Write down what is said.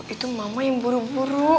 itu mama yang buru buru